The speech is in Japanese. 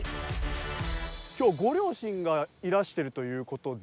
今日ご両親がいらしてるという事で。